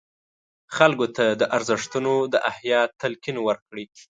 خلکو ته د ارزښتونو د احیا تلقین ورکړي.